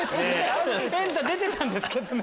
『エンタ』出てたんですけどね。